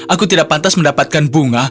aku tidak pantas mendapatkan bunga